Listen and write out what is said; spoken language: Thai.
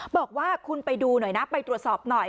บอกว่าคุณไปดูหน่อยนะไปตรวจสอบหน่อย